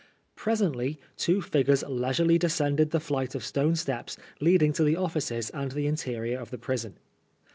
Presently two figures leisurely descended the flight of stone steps leading to the of&ces and the interior of the prison.